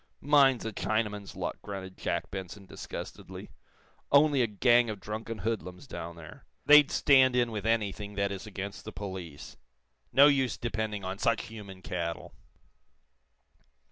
"Mine's a Chinaman's luck," grunted Jack Benson, disgustedly. "Only a gang of drunken hoodlums down there. They'd stand in with anything that is against the police. No use depending on such human cattle."